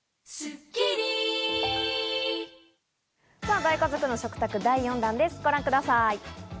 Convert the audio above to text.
大家族の食卓、第４弾です。